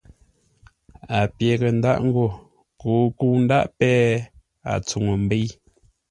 A pyə́ghʼə ńdáʼ ńgó koo a kə̂u ńdáʼ péh, a tsuŋu ḿbə́i.